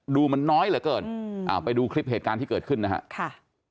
ดูมันน้อยเหลือเกินไปดูคลิปเหตุการณ์ที่เกิดขึ้นนะฮะค่ะ